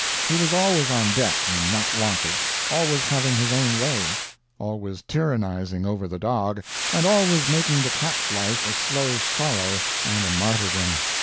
He was always on deck when not wanted, always having his own way, always tyrannizing over the dog, and always making the cat's life a slow sorrow and a martyrdom.